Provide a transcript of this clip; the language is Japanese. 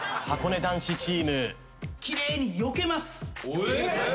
はこね男子チーム。